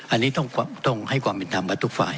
อันนี้ต้องให้ความเป็นธรรมกับทุกฝ่าย